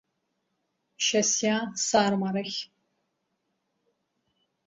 Шьасиа, сармарахь…